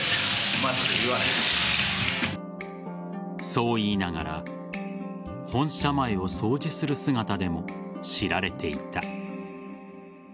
そう言いながら本社前を掃除する姿でも知られていた。